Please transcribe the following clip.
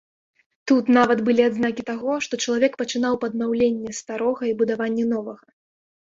Тут нават былі адзнакі таго, што чалавек пачынаў паднаўленне старога і будаванне новага.